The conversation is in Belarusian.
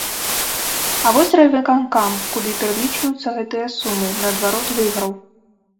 А вось райвыканкам, куды пералічваюцца гэтыя сумы, наадварот, выйграў.